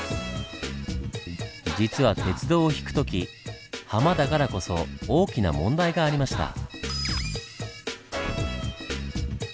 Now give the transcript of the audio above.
実は鉄道を引く時ハマだからこそ大きな問題がありました。